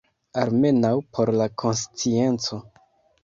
Almenaŭ por la konscienco.